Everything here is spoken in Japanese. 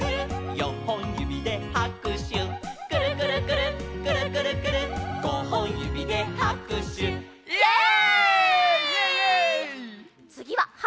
「よんほんゆびではくしゅ」「くるくるくるっくるくるくるっごほんゆびではくしゅ」イエイ！